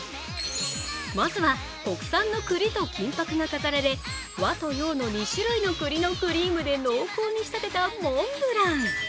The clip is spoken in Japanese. まずは、国産のくりと金ぱくが飾られ、和と洋の２種類のくりのクリームで濃厚に仕立てたモンブラン。